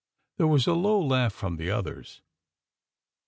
There was a low laugh from the others.